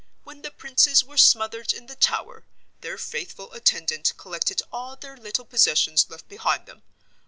When the Princes were smothered in the Tower, their faithful attendant collected all their little possessions left behind them.